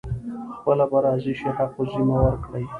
پخپله به راضي شي حق الزحمه ورکړي.